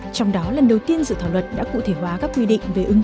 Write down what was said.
trong đó lần đầu tiên dự thảo luật đã cụ thể hóa các quy định